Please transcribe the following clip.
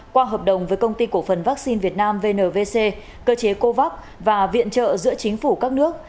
qua hợp đồng với công ty cổ phần vaccine việt nam vnvc cơ chế covax và viện trợ giữa chính phủ các nước